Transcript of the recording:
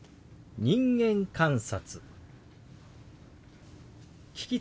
「人間観察」。